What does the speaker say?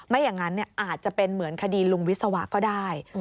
ไม่อย่างนั้นอาจจะเป็นเหมือนคดีลุงวิศวะก็ได้